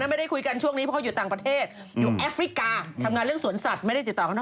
ไม่ได้ติดต่อต้อนเท่าไร